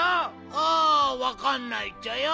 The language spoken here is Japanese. あわかんないっちゃよ。